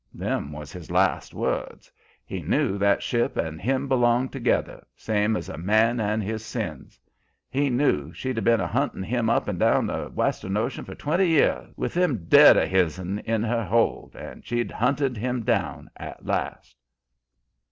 Them was his last words. He knew that ship and him belonged together, same as a man and his sins. He knew she'd been a huntin' him up and down the western ocean for twenty year, with them dead o' his'n in her hold, and she'd hunted him down at last."